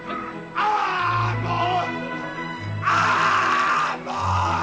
ああもう。